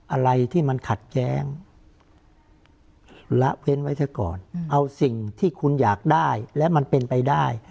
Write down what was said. อะไรที่มันขัดแย้งละเว้นไว้เถอะก่อนเอาสิ่งที่คุณอยากได้และมันเป็นไปได้